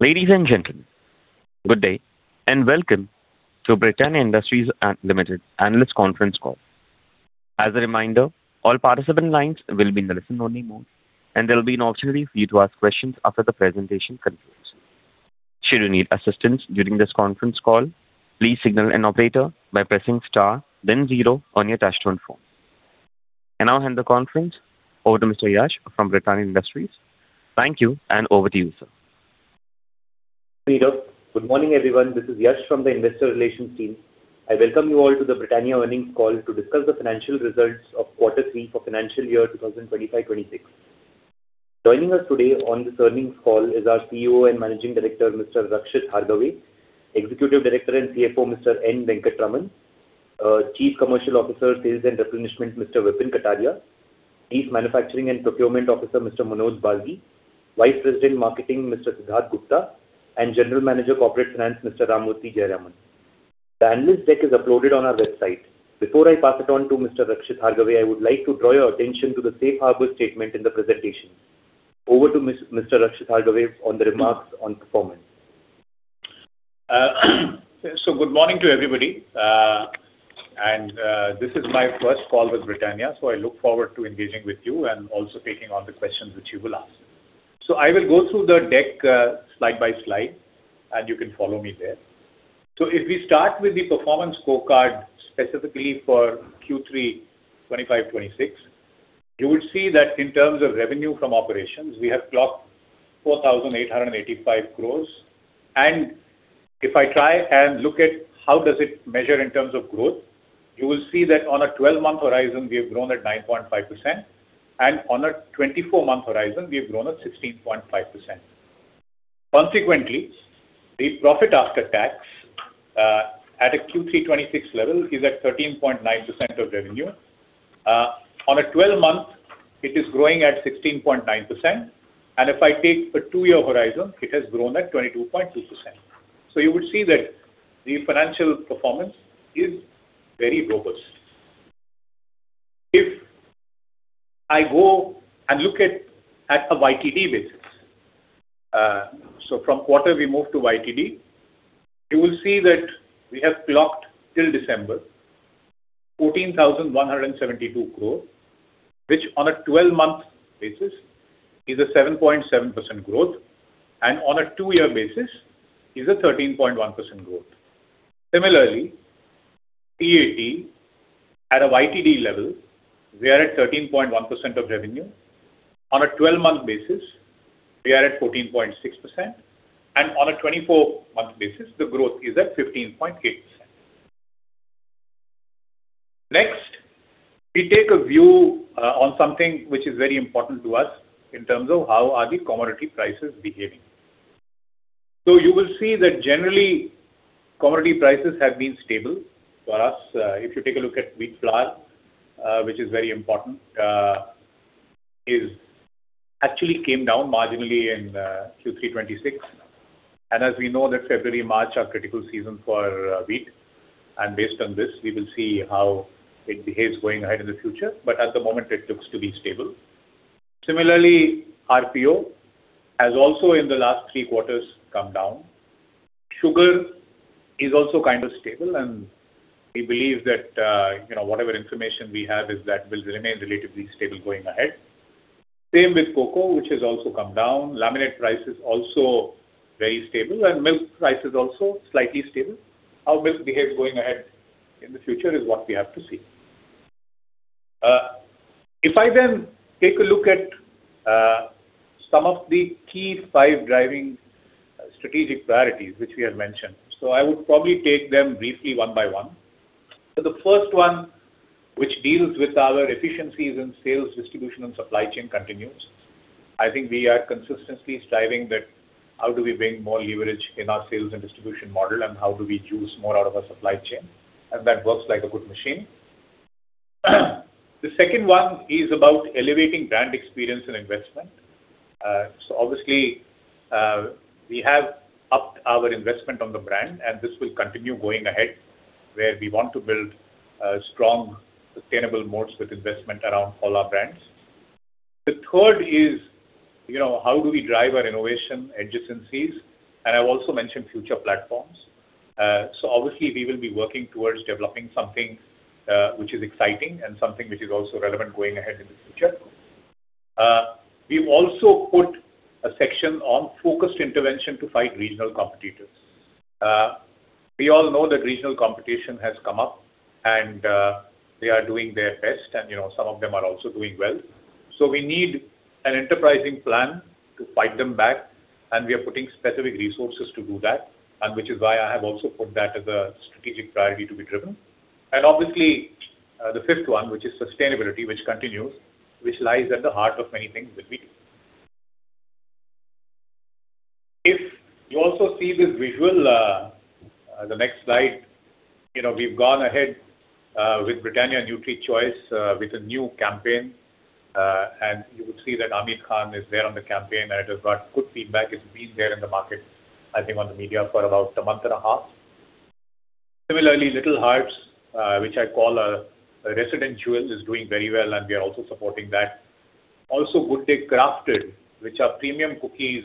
Ladies and gentlemen, good day and welcome to Britannia Industries Limited analyst conference call. As a reminder, all participant lines will be in the listen-only mode, and there will be an opportunity for you to ask questions after the presentation concludes. Should you need assistance during this conference call, please signal an operator by pressing star, then zero on your touch-tone phone. And now I hand the conference over to Mr. Yash from Britannia Industries. Thank you, and over to you, sir. Peter, good morning everyone. This is Yash from the investor relations team. I welcome you all to the Britannia earnings call to discuss the financial results of quarter three for financial year 2025-2026. Joining us today on this earnings call is our CEO and Managing Director, Mr. Rakshit Hargave, Executive Director and CFO, Mr. N. Venkataraman, Chief Commercial Officer, Sales and Replenishment, Mr. Vipin Kataria, Chief Manufacturing and Procurement Officer, Mr. Manoj Balgi, Vice President Marketing, Mr. Siddharth Gupta, and General Manager Corporate Finance, Mr. Ramamurthy Jayaraman. The analyst deck is uploaded on our website. Before I pass it on to Mr. Rakshit Hargave, I would like to draw your attention to the Safe Harbor statement in the presentation. Over to Mr. Rakshit Hargave on the remarks on performance. Good morning to everybody, and this is my first call with Britannia, so I look forward to engaging with you and also taking all the questions which you will ask. I will go through the deck slide by slide, and you can follow me there. If we start with the performance scorecard specifically for Q3 2025-2026, you would see that in terms of revenue from operations, we have clocked 4,885 crores. And if I try and look at how does it measure in terms of growth, you will see that on a 12-month horizon, we have grown at 9.5%, and on a 24-month horizon, we have grown at 16.5%. Consequently, the profit after tax at a Q3 26 level is at 13.9% of revenue. On a 12-month, it is growing at 16.9%, and if I take a two-year horizon, it has grown at 22.2%. So you would see that the financial performance is very robust. If I go and look at a YTD basis, so from quarter we move to YTD, you will see that we have clocked till December 14,172 crore, which on a 12-month basis is a 7.7% growth, and on a two-year basis is a 13.1% growth. Similarly, PAT at a YTD level, we are at 13.1% of revenue. On a 12-month basis, we are at 14.6%, and on a 24-month basis, the growth is at 15.8%. Next, we take a view on something which is very important to us in terms of how are the commodity prices behaving. So you will see that generally, commodity prices have been stable for us. If you take a look at wheat flour, which is very important, it actually came down marginally in Q3 2026. As we know, February, March are critical seasons for wheat, and based on this, we will see how it behaves going ahead in the future. But at the moment, it looks to be stable. Similarly, RPO has also in the last three quarters come down. Sugar is also kind of stable, and we believe that whatever information we have is that will remain relatively stable going ahead. Same with cocoa, which has also come down. Laminate price is also very stable, and milk price is also slightly stable. How milk behaves going ahead in the future is what we have to see. If I then take a look at some of the key five driving strategic priorities which we have mentioned, I would probably take them briefly one by one. The first one, which deals with our efficiencies in sales distribution and supply chain continues. I think we are consistently striving that how do we bring more leverage in our sales and distribution model, and how do we juice more out of our supply chain, and that works like a good machine. The second one is about elevating brand experience and investment. So obviously, we have upped our investment on the brand, and this will continue going ahead where we want to build strong, sustainable modes with investment around all our brands. The third is how do we drive our innovation adjacencies, and I've also mentioned future platforms. So obviously, we will be working towards developing something which is exciting and something which is also relevant going ahead in the future. We've also put a section on focused intervention to fight regional competitors. We all know that regional competition has come up, and they are doing their best, and some of them are also doing well. So we need an enterprising plan to fight them back, and we are putting specific resources to do that, which is why I have also put that as a strategic priority to be driven. And obviously, the fifth one, which is sustainability, which continues, which lies at the heart of many things that we do. If you also see this visual on the next slide, we've gone ahead with Britannia NutriChoice with a new campaign, and you would see that Aamir Khan is there on the campaign, and it has got good feedback. It's been there in the market, I think, on the media for about a month and a half. Similarly, Little Hearts, which I call a resident jewel, is doing very well, and we are also supporting that. Also, Good Day Crafted, which are premium cookies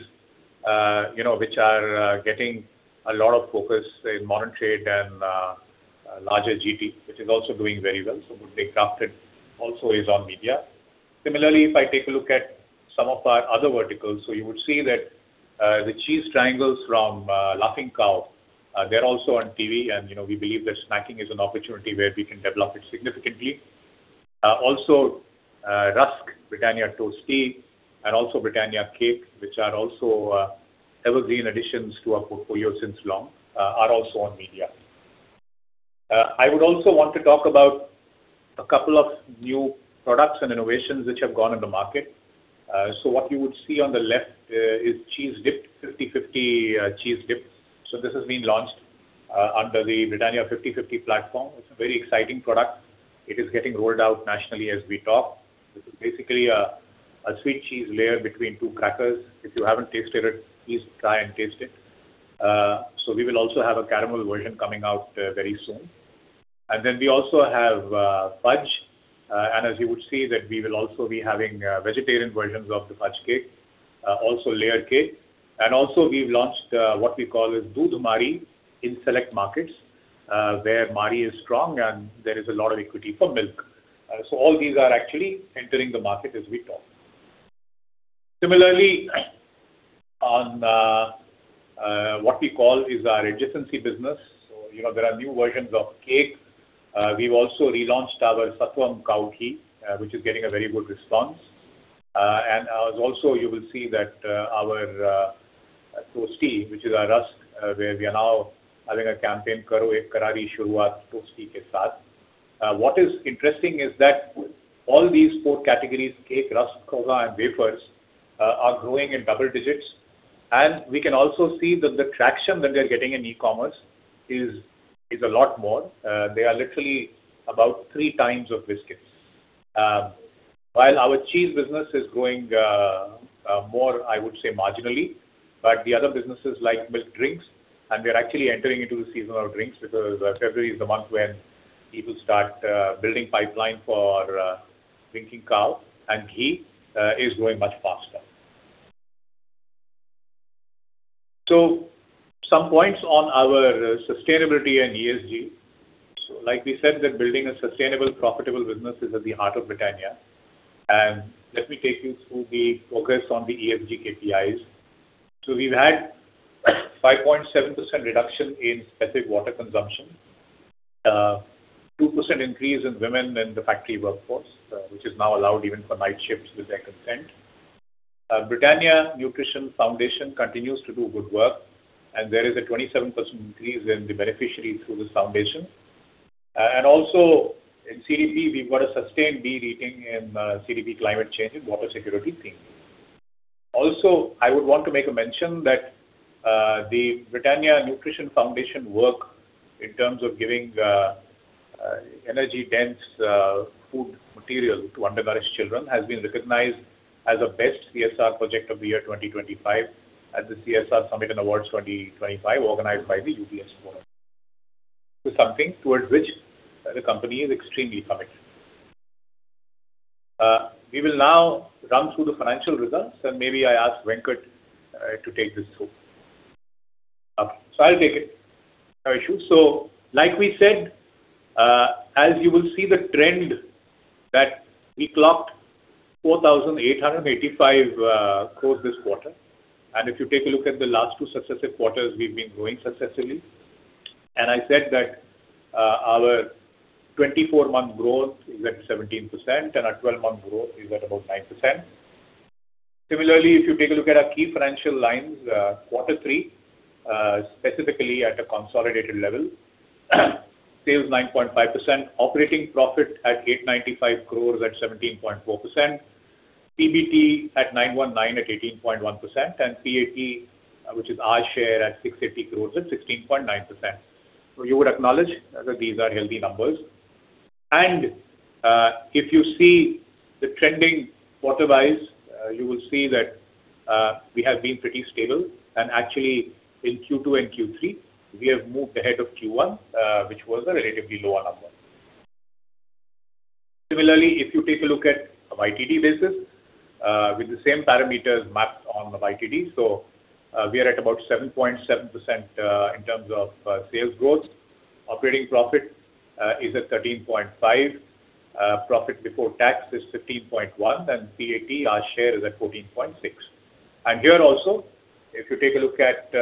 which are getting a lot of focus in modern trade and larger GT, which is also doing very well. So Good Day Crafted also is on media. Similarly, if I take a look at some of our other verticals, so you would see that the cheese triangles from Laughing Cow, they're also on TV, and we believe that snacking is an opportunity where we can develop it significantly. Also, Rusk, Britannia Toastea, and also Britannia Cake, which are also evergreen additions to our portfolio since long, are also on media. I would also want to talk about a couple of new products and innovations which have gone on the market. So what you would see on the left is 50/50 cheese dips. So this has been launched under the Britannia 50/50 platform. It's a very exciting product. It is getting rolled out nationally as we talk. This is basically a sweet cheese layer between two crackers. If you haven't tasted it, please try and taste it. So we will also have a caramel version coming out very soon. And then we also have fudge, and as you would see, that we will also be having vegetarian versions of the fudge cake, also layered cake. And also, we've launched what we call as Doodh Marie in select markets where Marie is strong, and there is a lot of equity for milk. So all these are actually entering the market as we talk. Similarly, on what we call our adjacency business, so there are new versions of cake. We've also relaunched our Sattvam Cow Ghee, which is getting a very good response. Also, you will see that our Toastea, which is our rusk, where we are now having a campaign, Karo Karari Shurwat Toastea Ke Saath. What is interesting is that all these four categories, cake, rusk, croissants, and wafers, are growing in double digits. We can also see that the traction that we are getting in e-commerce is a lot more. They are literally about 3x of biscuits. While our cheese business is growing more, I would say, marginally, but the other businesses like milk drinks, and we are actually entering into the season of drinks because February is the month when people start building pipeline for Winkin' Cow, and ghee is growing much faster. Some points on our sustainability and ESG. Like we said, that building a sustainable, profitable business is at the heart of Britannia. Let me take you through the progress on the ESG KPIs. We've had 5.7% reduction in specific water consumption, 2% increase in women in the factory workforce, which is now allowed even for night shifts with their consent. Britannia Nutrition Foundation continues to do good work, and there is a 27% increase in the beneficiaries through the foundation. Also in CDP, we've got a sustained B rating in CDP climate change and water security theme. Also, I would want to make a mention that the Britannia Nutrition Foundation work in terms of giving energy-dense food material to undernourished children has been recognized as the best CSR project of the year 2025 at the CSR Summit and Awards 2025 organized by the UBS Forum. Something towards which the company is extremely committed. We will now run through the financial results, and maybe I ask Venkat to take this through. Okay, so I'll take it. No issue. So like we said, as you will see, the trend that we clocked 4,885 crores this quarter. If you take a look at the last two successive quarters, we've been growing successively and I said that our 24-month growth is at 17% and our 12-month growth is at about 9%. Similarly, if you take a look at our key financial lines, quarter three, specifically at a consolidated level, sales 9.5%, operating profit at 895 crores at 17.4%, PBT at 919 crores at 18.1%, and PAT, which is our share at 680 crores at 16.9%. So you would acknowledge that these are healthy numbers. If you see the trending quarter-wise, you will see that we have been pretty stable. And actually, in Q2 and Q3, we have moved ahead of Q1, which was a relatively lower number. Similarly, if you take a look at a YTD basis with the same parameters mapped on the YTD. So we are at about 7.7% in terms of sales growth. Operating profit is at 13.5%. Profit before tax is 15.1%, and PAT, our share, is at 14.6%. And here also, if you take a look at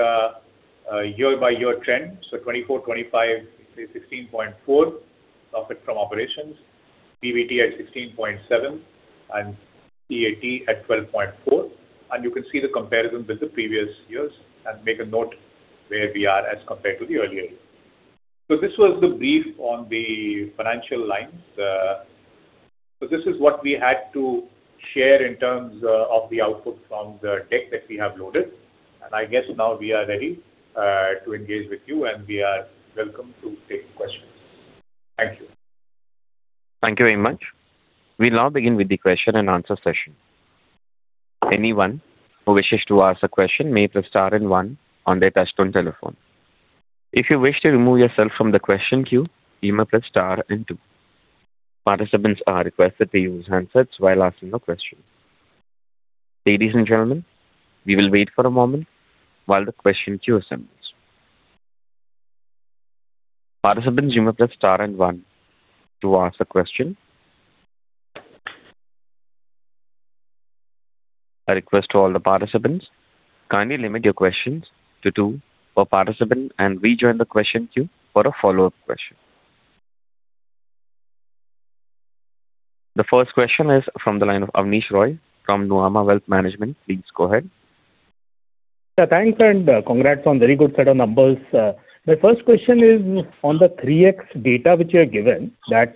year-by-year trend, so 2024/25, it's 16.4% profit from operations, PBT at 16.7%, and PAT at 12.4%. And you can see the comparison with the previous years and make a note where we are as compared to the earlier year. So this was the brief on the financial lines. So this is what we had to share in terms of the output from the deck that we have loaded. And I guess now we are ready to engage with you, and we are welcome to take questions. Thank you. Thank you very much. We now begin with the question and answer session. Anyone who wishes to ask a question may press star and one on their touch-tone telephone. If you wish to remove yourself from the question queue, please press star and two. Participants are requested to use handsets while asking your questions. Ladies and gentlemen, we will wait for a moment while the question queue assembles. Participants, please press star and one to ask a question. A request to all the participants, kindly limit your questions to two per participant and rejoin the question queue for a follow-up question. The first question is from the line of Abneesh Roy from Nuvama Wealth Management. Please go ahead. Yeah, thanks and congrats on very good set of numbers. My first question is on the 3x data which you're given, that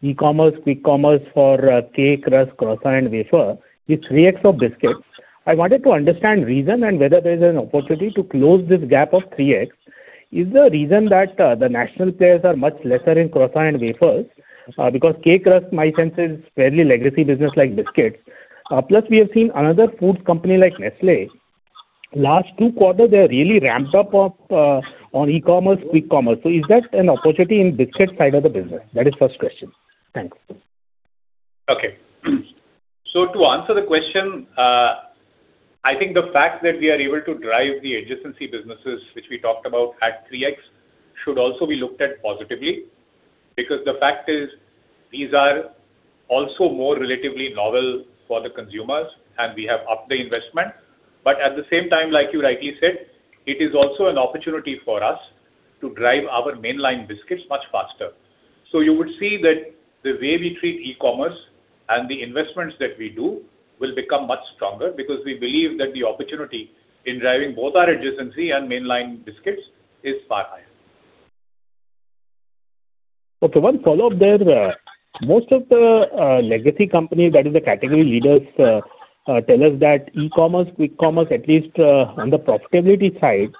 e-commerce, quick commerce for cake, rusk, croissant, and wafer is 3x of biscuits. I wanted to understand the reason and whether there's an opportunity to close this gap of 3x. Is the reason that the national players are much lesser in croissant and wafers? Because cake rusk, my sense, is fairly legacy business like biscuits. Plus, we have seen another foods company like Nestlé. Last two quarters, they have really ramped up on e-commerce, quick commerce. So is that an opportunity in the biscuit side of the business? That is the first question. Thanks. Okay. To answer the question, I think the fact that we are able to drive the adjacency businesses, which we talked about, at 3x should also be looked at positively because the fact is these are also more relatively novel for the consumers, and we have upped the investment. But at the same time, like you rightly said, it is also an opportunity for us to drive our mainline biscuits much faster. You would see that the way we treat e-commerce and the investments that we do will become much stronger because we believe that the opportunity in driving both our adjacency and mainline biscuits is far higher. Okay. One follow-up there. Most of the legacy companies that are the category leaders tell us that e-commerce, quick commerce, at least on the profitability side,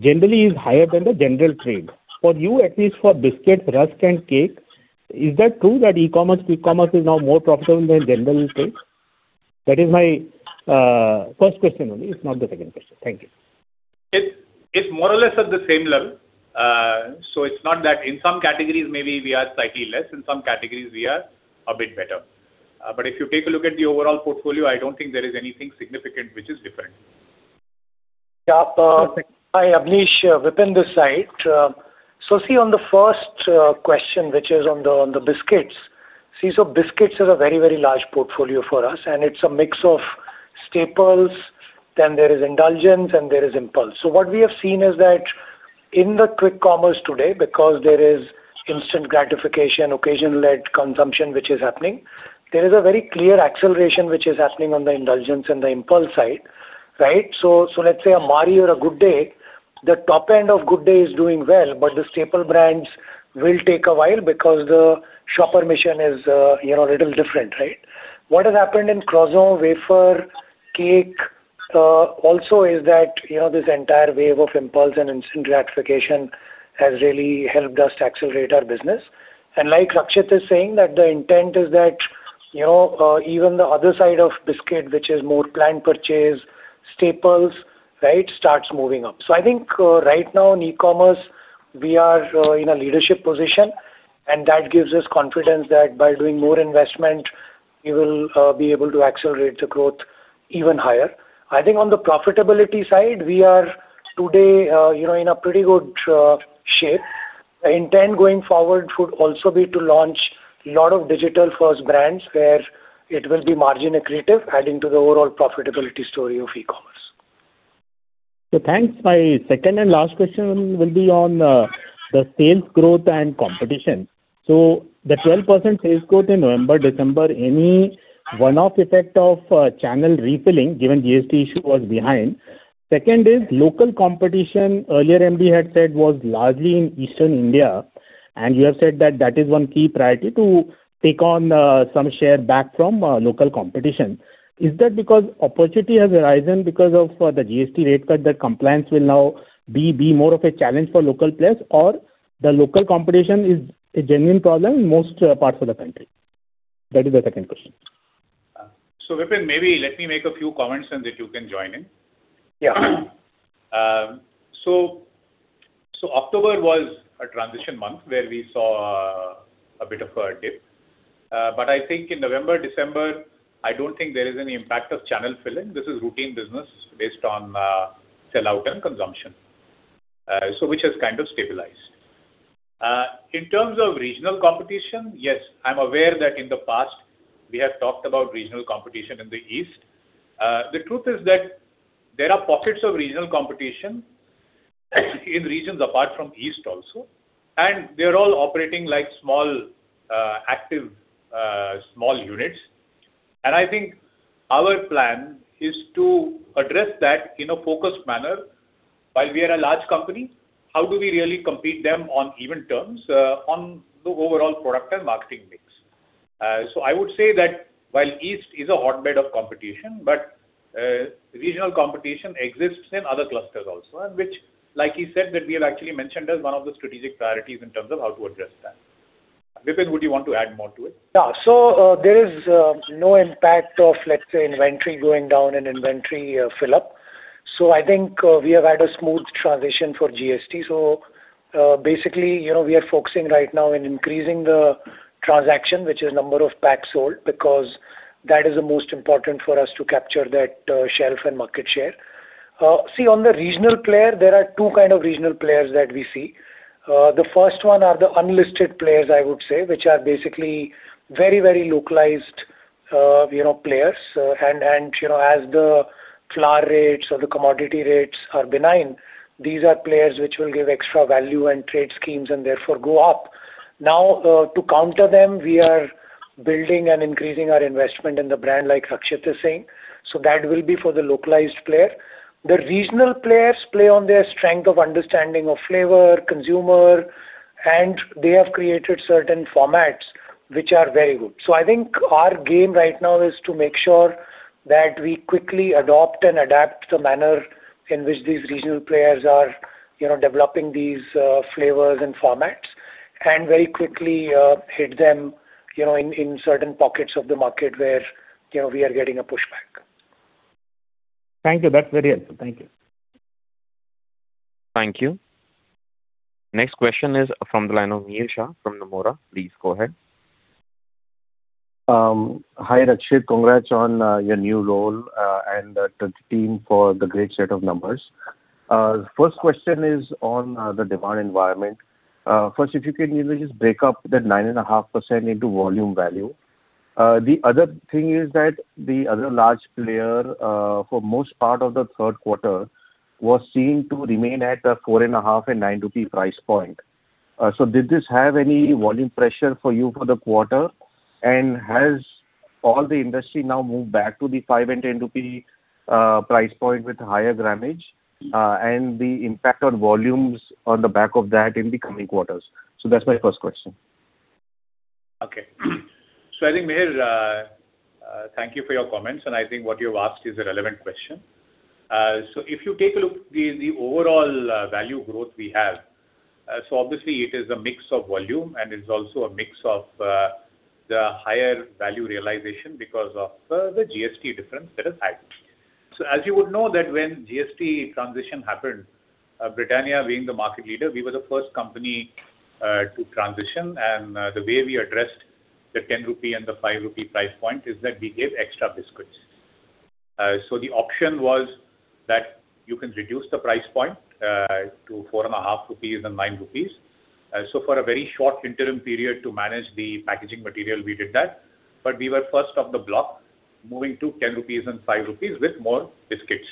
generally is higher than the general trade. For you, at least for biscuits, rusk, and cake, is that true that e-commerce, quick commerce is now more profitable than general trade? That is my first question only. It's not the second question. Thank you. It's more or less at the same level. So it's not that in some categories, maybe we are slightly less. In some categories, we are a bit better. But if you take a look at the overall portfolio, I don't think there is anything significant which is different. Yeah. Hi, Abneesh. Within this site, so see, on the first question, which is on the biscuits, see, so biscuits are a very, very large portfolio for us, and it's a mix of staples. Then there is indulgence, and there is impulse. So what we have seen is that in the quick commerce today, because there is instant gratification, occasion-led consumption which is happening, there is a very clear acceleration which is happening on the indulgence and the impulse side, right? So let's say a Marie or a Good Day, the top end of Good Day is doing well, but the staple brands will take a while because the shopper mission is a little different, right? What has happened in croissant, wafer, cake also is that this entire wave of impulse and instant gratification has really helped us to accelerate our business. And like Rakshit is saying, that the intent is that even the other side of biscuit, which is more planned purchase, staples, right, starts moving up. I think right now in e-commerce, we are in a leadership position, and that gives us confidence that by doing more investment, we will be able to accelerate the growth even higher. I think on the profitability side, we are today in a pretty good shape. The intent going forward would also be to launch a lot of digital-first brands where it will be margin accretive, adding to the overall profitability story of e-commerce. Yeah. Thanks. My second and last question will be on the sales growth and competition. The 12% sales growth in November, December, any one-off effect of channel refilling, given GST issue, was behind? Second is local competition. Earlier, MD had said it was largely in Eastern India, and you have said that that is one key priority to take on some share back from local competition. Is that because opportunity has arisen because of the GST rate cut, that compliance will now be more of a challenge for local players, or the local competition is a genuine problem in most parts of the country? That is the second question. So Vipin, maybe let me make a few comments and that you can join in. Yeah. So October was a transition month where we saw a bit of a dip. But I think in November, December, I don't think there is any impact of channel filling. This is routine business based on sellout and consumption, which has kind of stabilized. In terms of regional competition, yes, I'm aware that in the past, we have talked about regional competition in the East. The truth is that there are pockets of regional competition in regions apart from East also, and they are all operating like small, active small units. I think our plan is to address that in a focused manner. While we are a large company, how do we really compete with them on even terms on the overall product and marketing mix? So I would say that while East is a hotbed of competition, regional competition exists in other clusters also, which, like you said, that we have actually mentioned as one of the strategic priorities in terms of how to address that. Vipin, would you want to add more to it? Yeah. So there is no impact of, let's say, inventory going down and inventory fill-up. So I think we have had a smooth transition for GST. So basically, we are focusing right now on increasing the transaction, which is the number of packs sold, because that is the most important for us to capture that shelf and market share. See, on the regional player, there are two kinds of regional players that we see. The first one are the unlisted players, I would say, which are basically very, very localized players. And as the flour rates or the commodity rates are benign, these are players which will give extra value and trade schemes and therefore go up. Now, to counter them, we are building and increasing our investment in the brand, like Rakshit is saying. So that will be for the localized player. The regional players play on their strength of understanding of flavor, consumer, and they have created certain formats which are very good. So I think our game right now is to make sure that we quickly adopt and adapt the manner in which these regional players are developing these flavors and formats and very quickly hit them in certain pockets of the market where we are getting a pushback. Thank you. That's very helpful. Thank you. Thank you. Next question is from the line of Mihir Shah from Nomura. Please go ahead. Hi, Rakshit. Congrats on your new role and the team for the great set of numbers. First question is on the demand environment. First, if you can, maybe just break up that 9.5% into volume value. The other thing is that the other large player, for most part of the third quarter, was seen to remain at the INR 4.5 and 9 rupee price point. So did this have any volume pressure for you for the quarter? Has all the industry now moved back to the 5 and 10 rupee price point with higher gramage and the impact on volumes on the back of that in the coming quarters? That's my first question. Okay. I think, Mihir, thank you for your comments. I think what you've asked is a relevant question. If you take a look, the overall value growth we have, so obviously, it is a mix of volume, and it's also a mix of the higher value realization because of the GST difference that has happened. As you would know, that when GST transition happened, Britannia being the market leader, we were the first company to transition. The way we addressed the 10 rupee and the 5 rupee price point is that we gave extra biscuits. So the option was that you can reduce the price point to 4.5 rupees and 9 rupees. So for a very short interim period to manage the packaging material, we did that. But we were first of the block moving to 10 rupees and 5 rupees with more biscuits.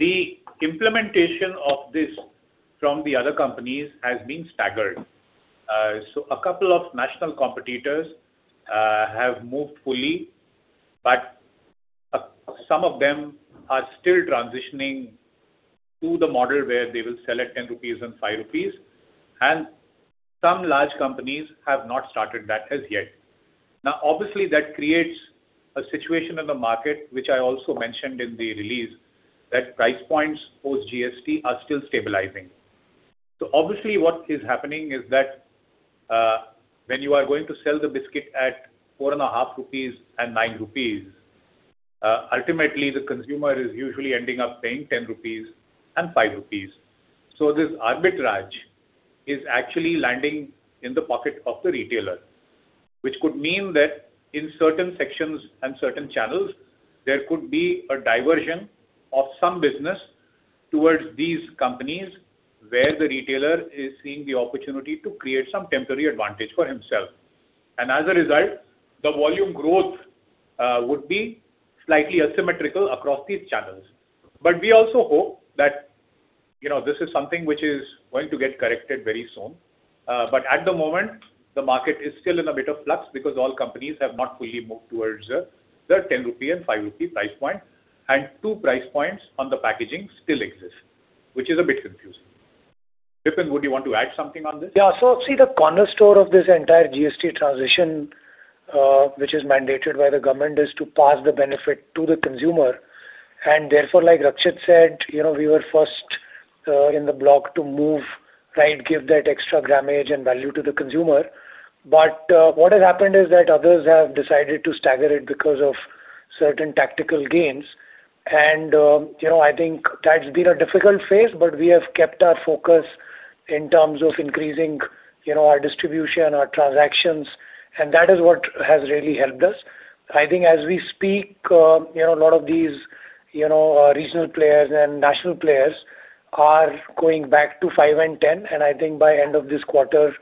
The implementation of this from the other companies has been staggered. So a couple of national competitors have moved fully, but some of them are still transitioning to the model where they will sell at 10 rupees and 5 rupees. And some large companies have not started that as yet. Now, obviously, that creates a situation in the market, which I also mentioned in the release, that price points post-GST are still stabilizing. So obviously, what is happening is that when you are going to sell the biscuit at 4.5 rupees and 9 rupees, ultimately, the consumer is usually ending up paying 10 rupees and 5 rupees. So this arbitrage is actually landing in the pocket of the retailer, which could mean that in certain sections and certain channels, there could be a diversion of some business towards these companies where the retailer is seeing the opportunity to create some temporary advantage for himself. And as a result, the volume growth would be slightly asymmetrical across these channels. But we also hope that this is something which is going to get corrected very soon. But at the moment, the market is still in a bit of flux because all companies have not fully moved towards the 10 rupee and 5 rupee price point. Two price points on the packaging still exist, which is a bit confusing. Vipin, would you want to add something on this? Yeah. So see, the cornerstone of this entire GST transition, which is mandated by the government, is to pass the benefit to the consumer. And therefore, like Rakshit said, we were first in the block to move, right, give that extra gramage and value to the consumer. But what has happened is that others have decided to stagger it because of certain tactical gains. And I think that's been a difficult phase, but we have kept our focus in terms of increasing our distribution, our transactions. And that is what has really helped us. I think as we speak, a lot of these regional players and national players are going back to 5 and 10. I think by the end of this quarter,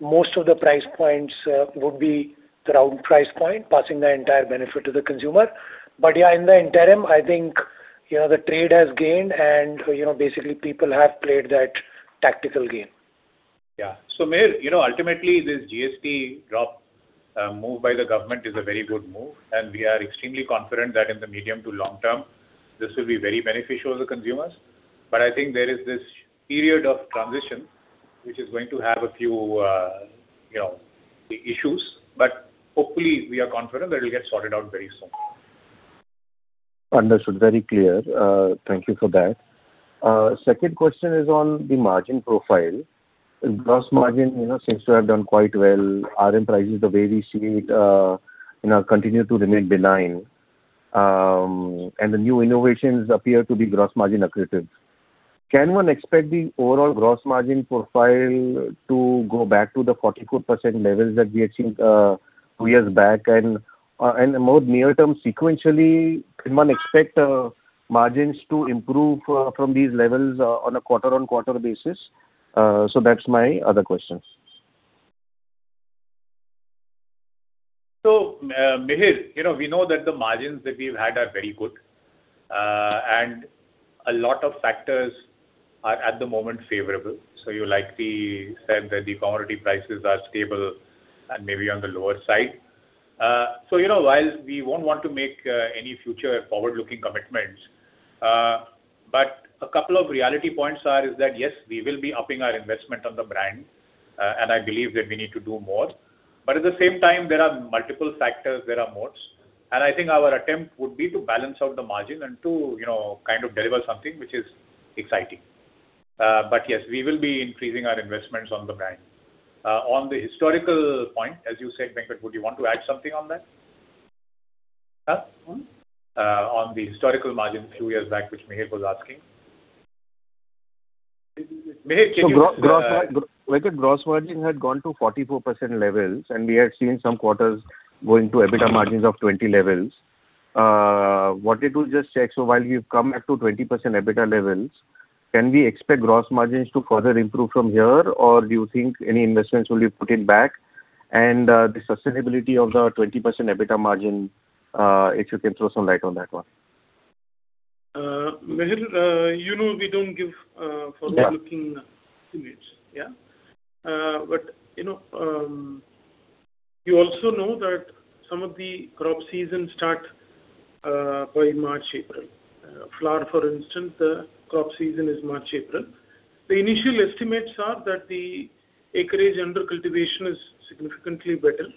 most of the price points would be the round price point, passing the entire benefit to the consumer. But yeah, in the interim, I think the trade has gained, and basically, people have played that tactical game. Yeah. So Mihir, ultimately, this GST move by the government is a very good move. And we are extremely confident that in the medium to long term, this will be very beneficial to consumers. But I think there is this period of transition which is going to have a few issues. But hopefully, we are confident that it will get sorted out very soon. Understood. Very clear. Thank you for that. Second question is on the margin profile. Gross margin seems to have done quite well. RM prices, the way we see it, continue to remain benign. The new innovations appear to be gross margin accretive. Can one expect the overall gross margin profile to go back to the 44% levels that we had seen two years back? More near term, sequentially, can one expect margins to improve from these levels on a quarter-on-quarter basis? That's my other question. Mihir, we know that the margins that we've had are very good. A lot of factors are at the moment favorable. You likely said that the commodity prices are stable and maybe on the lower side. While we won't want to make any future forward-looking commitments, but a couple of reality points are that, yes, we will be upping our investment on the brand. I believe that we need to do more. But at the same time, there are multiple factors. There are modes. I think our attempt would be to balance out the margin and to kind of deliver something which is exciting. But yes, we will be increasing our investments on the brand. On the historical point, as you said, Venkat, would you want to add something on that? On the historical margin a few years back, which Mihir was asking? Mihir, can you? So Venkat, gross margin had gone to 44% levels, and we had seen some quarters going to EBITDA margins of 20 levels. So while you've come back to 20% EBITDA levels, can we expect gross margins to further improve from here? Or do you think any investments will be put in back? And the sustainability of the 20% EBITDA margin, if you can throw some light on that one. Mihir, we don't give forward-looking estimates. Yeah? But you also know that some of the crop seasons start by March, April. Flour, for instance, the crop season is March, April. The initial estimates are that the acreage under cultivation is significantly better.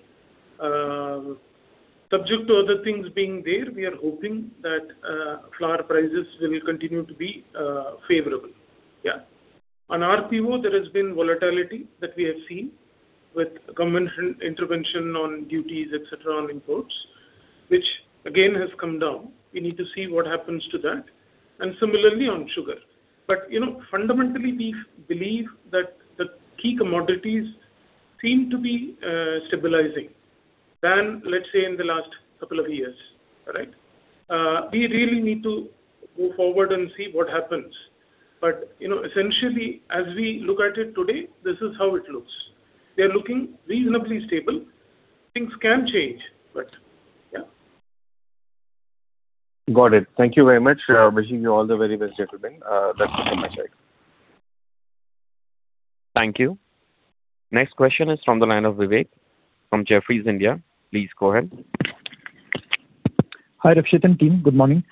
Subject to other things being there, we are hoping that flour prices will continue to be favorable. Yeah? On RPO, there has been volatility that we have seen with government intervention on duties, etc., on imports, which again has come down. We need to see what happens to that. And similarly, on sugar. But fundamentally, we believe that the key commodities seem to be stabilizing than, let's say, in the last couple of years. Right? We really need to go forward and see what happens. But essentially, as we look at it today, this is how it looks. They're looking reasonably stable. Things can change, but yeah? Got it. Thank you very much. Wishing you all the very best, gentlemen. That's it from my side. Thank you. Next question is from the line of Vivek from Jefferies India. Please go ahead. Hi, Rakshit and team. Good morning.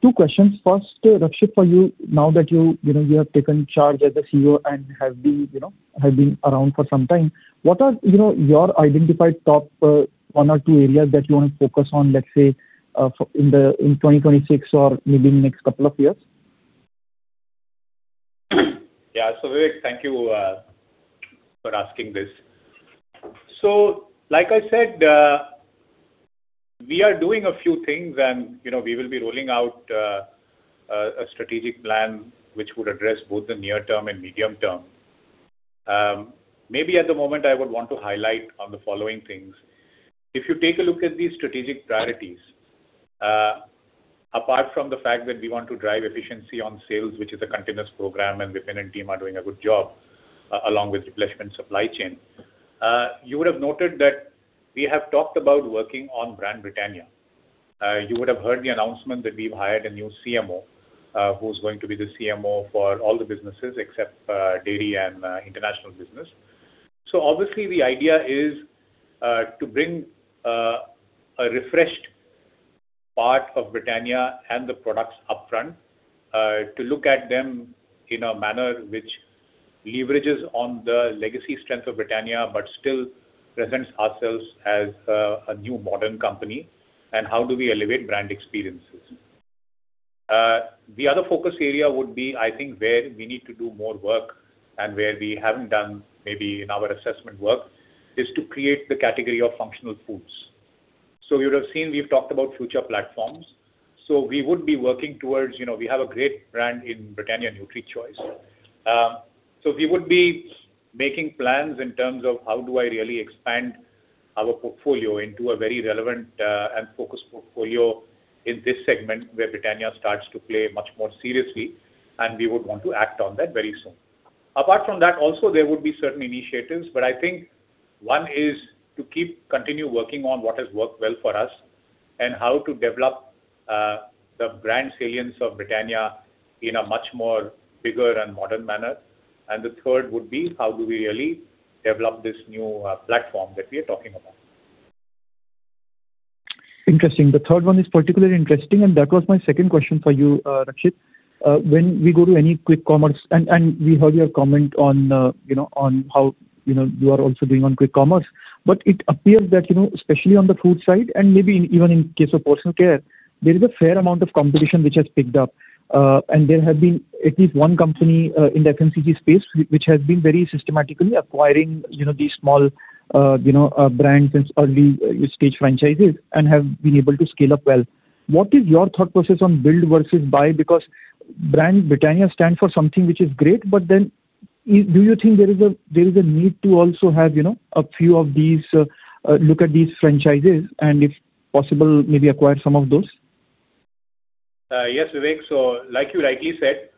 Two questions. First, Rakshit, for you, now that you have taken charge as the CEO and have been around for some time, what are your identified top one or two areas that you want to focus on, let's say, in 2026 or maybe in the next couple of years? Yeah. So Vivek, thank you for asking this. So like I said, we are doing a few things. We will be rolling out a strategic plan which would address both the near term and medium term. Maybe at the moment, I would want to highlight on the following things. If you take a look at these strategic priorities, apart from the fact that we want to drive efficiency on sales, which is a continuous program, and Vipin and team are doing a good job along with replenishment supply chain, you would have noted that we have talked about working on brand Britannia. You would have heard the announcement that we've hired a new CMO who's going to be the CMO for all the businesses except dairy and international business. So obviously, the idea is to bring a refreshed part of Britannia and the products upfront, to look at them in a manner which leverages on the legacy strength of Britannia but still presents ourselves as a new modern company. And how do we elevate brand experiences? The other focus area would be, I think, where we need to do more work and where we haven't done maybe in our assessment work is to create the category of functional foods. So you would have seen we've talked about future platforms. So we would be working towards we have a great brand in Britannia, NutriChoice. So we would be making plans in terms of, "How do I really expand our portfolio into a very relevant and focused portfolio in this segment where Britannia starts to play much more seriously?" And we would want to act on that very soon. Apart from that, also, there would be certain initiatives. But I think one is to continue working on what has worked well for us and how to develop the brand salience of Britannia in a much more bigger and modern manner. And the third would be, "How do we really develop this new platform that we are talking about?" Interesting. The third one is particularly interesting. And that was my second question for you, Rakshit. When we go to any Quick Commerce and we heard your comment on how you are also doing on Quick Commerce. But it appears that especially on the food side and maybe even in case of personal care, there is a fair amount of competition which has picked up. And there have been at least one company in the FMCG space which has been very systematically acquiring these small brands and early-stage franchises and have been able to scale up well. What is your thought process on build versus buy? Because brand Britannia stands for something which is great. But then do you think there is a need to also have a few of these look at these franchises and, if possible, maybe acquire some of those? Yes, Vivek. So like you rightly said,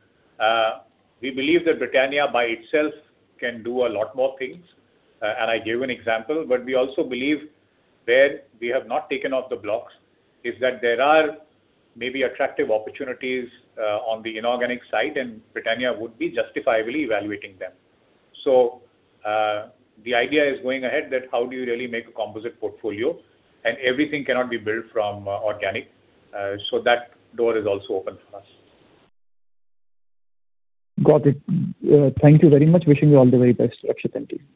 we believe that Britannia by itself can do a lot more things. And I gave an example. But we also believe where we have not taken off the blocks is that there are maybe attractive opportunities on the inorganic side. And Britannia would be justifiably evaluating them. So the idea is going ahead that, "How do you really make a composite portfolio?" And everything cannot be built from organic. So that door is also open for us. Got it. Thank you very much. Wishing you all the very best, Rakshit and team.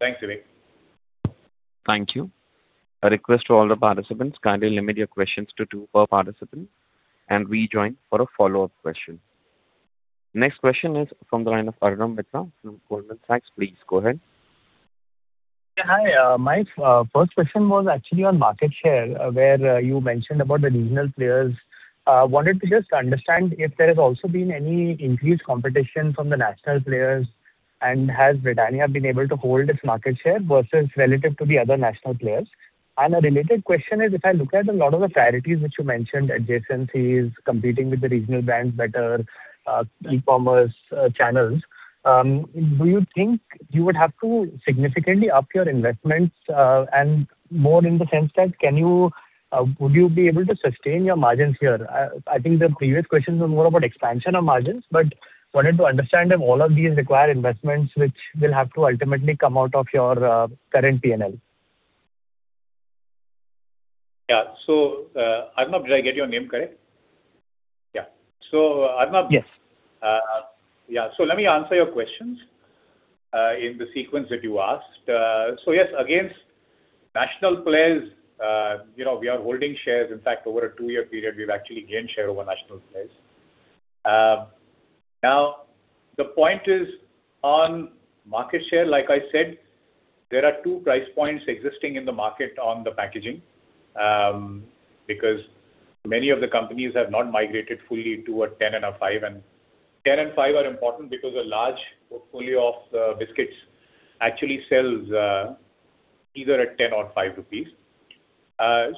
Thanks, Vivek. Thank you. A request to all the participants, kindly limit your questions to two per participant. And rejoin for a follow-up question. Next question is from the line of Arnab Mitra from Goldman Sachs. Please go ahead. Yeah. Hi. My first question was actually on market share where you mentioned about the regional players. I wanted to just understand if there has also been any increased competition from the national players. And has Britannia been able to hold its market share relative to the other national players? And a related question is, if I look at a lot of the priorities which you mentioned, adjacencies, competing with the regional brands better, e-commerce channels, do you think you would have to significantly up your investments? And more in the sense that, would you be able to sustain your margins here? I think the previous question was more about expansion of margins. But I wanted to understand if all of these require investments which will have to ultimately come out of your current P&L. Yeah. So, Arnab, did I get your name correct? Yeah. So Arnab? Yes. Yeah. So let me answer your questions in the sequence that you asked. So yes, against national players, we are holding shares. In fact, over a two-year period, we've actually gained share over national players. Now, the point is on market share. Like I said, there are two price points existing in the market on the packaging because many of the companies have not migrated fully to a 10 and a 5. And 10 and 5 are important because a large portfolio of biscuits actually sells either at 10 or 5 rupees.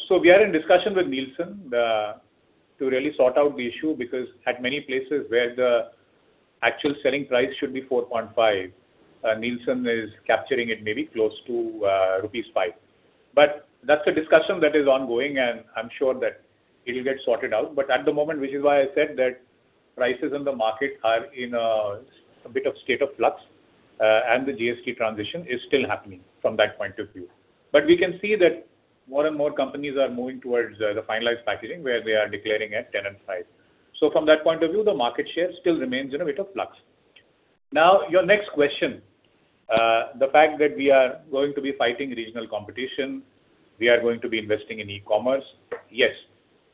So we are in discussion with Nielsen to really sort out the issue because at many places where the actual selling price should be 4.5, Nielsen is capturing it maybe close to rupees 5. But that's a discussion that is ongoing. And I'm sure that it'll get sorted out. But at the moment, which is why I said that prices in the market are in a bit of state of flux. And the GST transition is still happening from that point of view. But we can see that more and more companies are moving towards the finalized packaging where they are declaring at 10 and five. So from that point of view, the market share still remains in a bit of flux. Now, your next question, the fact that we are going to be fighting regional competition, we are going to be investing in e-commerce, yes,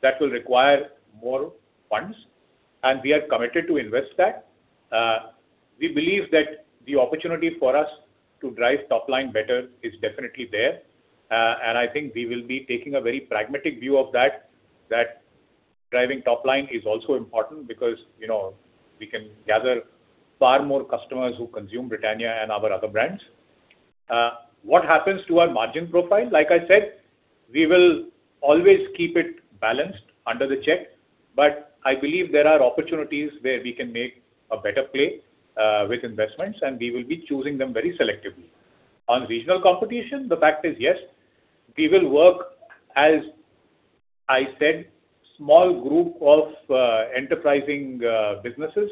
that will require more funds. We are committed to invest that. We believe that the opportunity for us to drive top line better is definitely there. I think we will be taking a very pragmatic view of that, that driving top line is also important because we can gather far more customers who consume Britannia and our other brands. What happens to our margin profile? Like I said, we will always keep it balanced under the check. But I believe there are opportunities where we can make a better play with investments. We will be choosing them very selectively. On regional competition, the fact is, yes, we will work, as I said, small group of enterprising businesses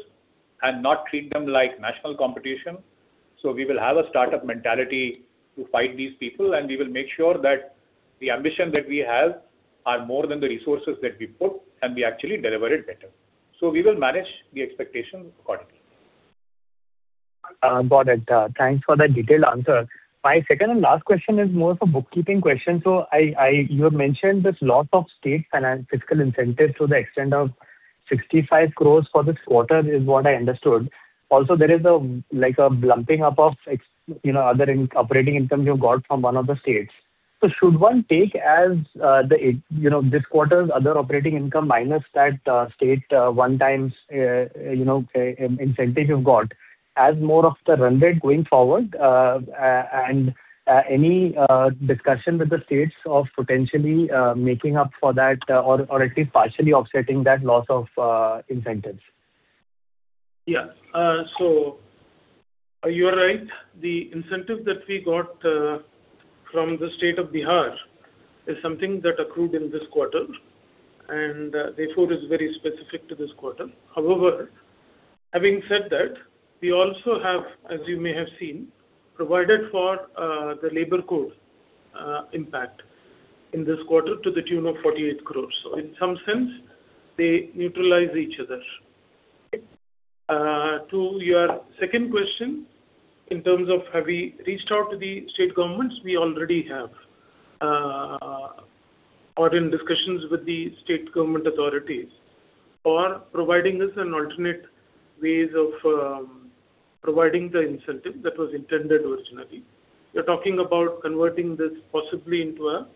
and not treat them like national competition. So we will have a startup mentality to fight these people. We will make sure that the ambition that we have are more than the resources that we put. And we actually deliver it better. So we will manage the expectations accordingly. Got it. Thanks for that detailed answer. My second and last question is more of a bookkeeping question. So you have mentioned this loss of state fiscal incentives to the extent of 65 crores for this quarter is what I understood. Also, there is a lumping up of other operating incomes you've got from one of the states. So should one take as this quarter's other operating income minus that state one-time incentive you've got as more of the run rate going forward? And any discussion with the states of potentially making up for that or at least partially offsetting that loss of incentives? Yeah. So you are right. The incentive that we got from the state of Bihar is something that accrued in this quarter. And therefore, it's very specific to this quarter. However, having said that, we also have, as you may have seen, provided for the labor code impact in this quarter to the tune of 48 crore. So in some sense, they neutralize each other. To your second question, in terms of have we reached out to the state governments? We already have or in discussions with the state government authorities or providing us an alternate ways of providing the incentive that was intended originally. You're talking about converting this possibly into a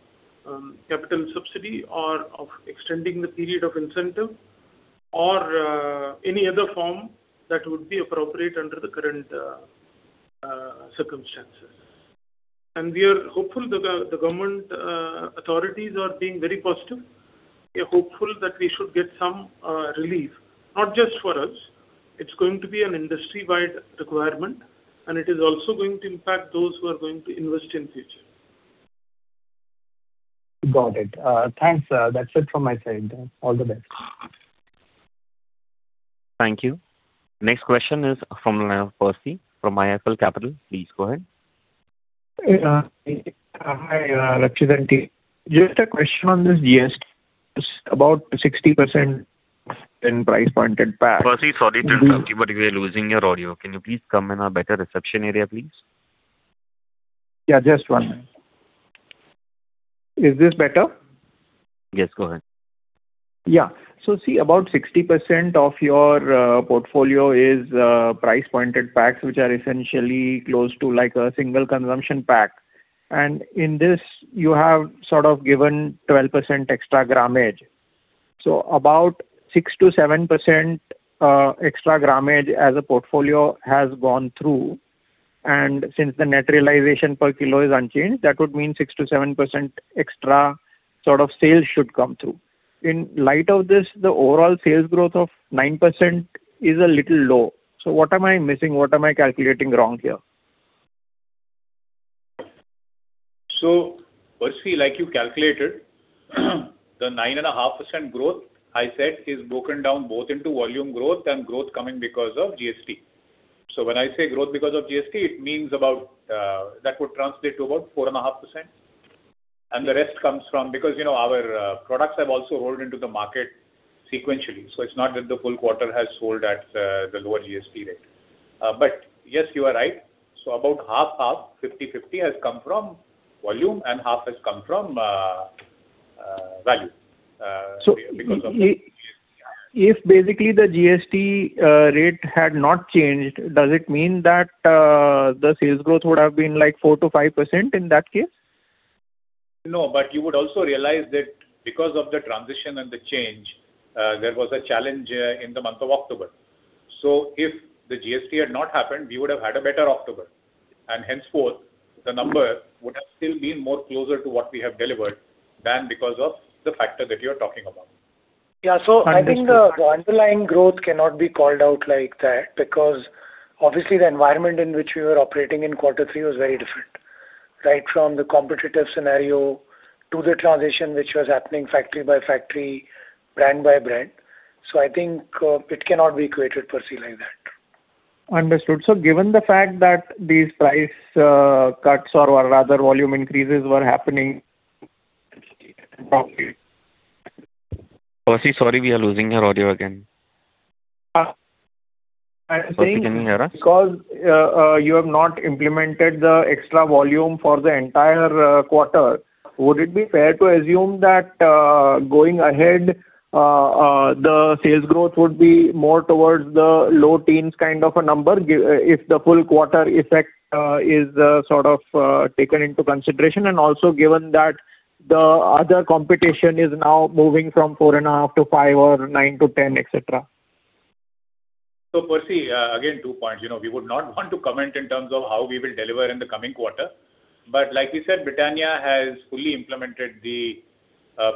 capital subsidy or of extending the period of incentive or any other form that would be appropriate under the current circumstances. We are hopeful the government authorities are being very positive. We are hopeful that we should get some relief, not just for us. It's going to be an industry-wide requirement. It is also going to impact those who are going to invest in the future. Got it. Thanks. That's it from my side. All the best. Thank you. Next question is from the line of Percy from IIFL Capital. Please go ahead. Hi, Rakshit and team. Just a question on this, yes, about 60% in price-pointed packs. Percy, sorry to interrupt you, but we are losing your audio. Can you please come in our better reception area, please? Yeah. Just one minute. Is this better? Yes. Go ahead. Yeah. So see, about 60% of your portfolio is price pointed PACS, which are essentially close to a single consumption PAC. And in this, you have sort of given 12% extra gramage. So about 6%-7% extra gramage as a portfolio has gone through. And since the naturalization per kilo is unchanged, that would mean 6%-7% extra sort of sales should come through. In light of this, the overall sales growth of 9% is a little low. So what am I missing? What am I calculating wrong here? So Percy, like you calculated, the 9.5% growth, I said, is broken down both into volume growth and growth coming because of GST. So when I say growth because of GST, it means about that would translate to about 4.5%. And the rest comes from because our products have also rolled into the market sequentially. So it's not that the full quarter has sold at the lower GST rate. But yes, you are right. So about half-half, 50/50, has come from volume. And half has come from value because of GST. So if basically the GST rate had not changed, does it mean that the sales growth would have been 4%-5% in that case? No. But you would also realize that because of the transition and the change, there was a challenge in the month of October. So if the GST had not happened, we would have had a better October. And henceforth, the number would have still been more closer to what we have delivered than because of the factor that you are talking about. Yeah. So I think the underlying growth cannot be called out like that because, obviously, the environment in which we were operating in quarter three was very different, right, from the competitive scenario to the transition which was happening factory by factory, brand by brand. So I think it cannot be equated, Percy, like that. Understood. So given the fact that these price cuts or rather volume increases were happening, Percy, sorry. We are losing your audio again. Percy, can you hear us? Because you have not implemented the extra volume for the entire quarter, would it be fair to assume that going ahead, the sales growth would be more towards the low teens kind of a number if the full quarter effect is sort of taken into consideration? And also given that the other competition is now moving from 4.5-5 or 9-10, etc. So Percy, again, two points. We would not want to comment in terms of how we will deliver in the coming quarter. But like we said, Britannia has fully implemented the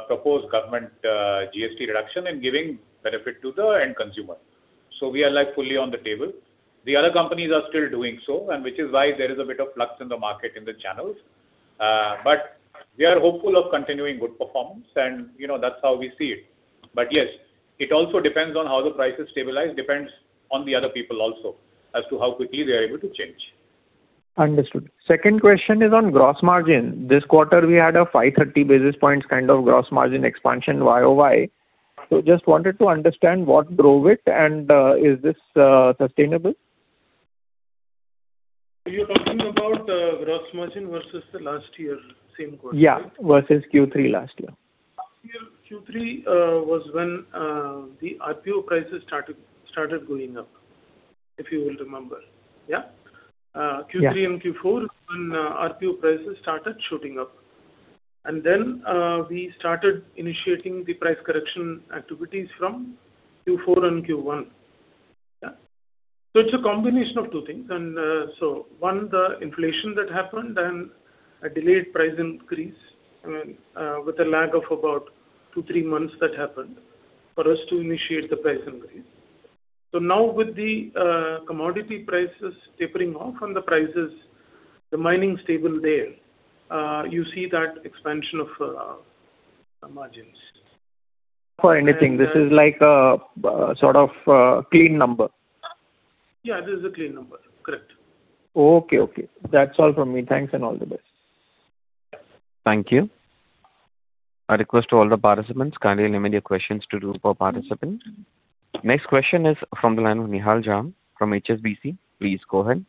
proposed government GST reduction and giving benefit to the end consumer. So we are fully on the table. The other companies are still doing so, which is why there is a bit of flux in the market in the channels. But we are hopeful of continuing good performance. That's how we see it. But yes, it also depends on how the prices stabilize. Depends on the other people also as to how quickly they are able to change. Understood. Second question is on gross margin. This quarter, we had a 530 basis points kind of gross margin expansion year-over-year. So just wanted to understand what drove it. And is this sustainable? Are you talking about gross margin versus the last year, same quarter, right? Yeah, versus Q3 last year. Last year, Q3 was when the RPO prices started going up, if you will remember. Yeah? Q3 and Q4 is when RPO prices started shooting up. And then we started initiating the price correction activities from Q4 and Q1. Yeah? So it's a combination of two things. And so, one, the inflation that happened and a delayed price increase with a lag of about 2-3 months that happened for us to initiate the price increase. So now, with the commodity prices tapering off and the margin stable there, you see that expansion of margins. For anything. This is sort of a clean number. Yeah. This is a clean number. Correct. Okay. Okay. That's all from me. Thanks. And all the best. Thank you. I request all the participants kindly limit your questions to group of participants. Next question is from the line of Nihal Jham from HSBC. Please go ahead.